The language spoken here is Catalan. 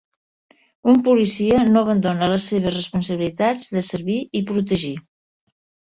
Un policia no abandona les seves responsabilitats de servir i protegir.